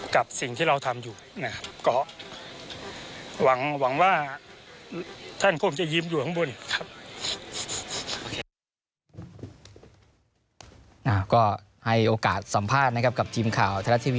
ก็ให้โอกาสสัมภาษณ์นะครับกับทีมข่าวไทยรัตน์ทีวี